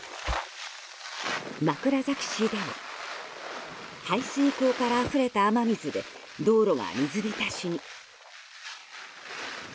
枕崎市では排水溝からあふれた雨水で道路が水浸しに。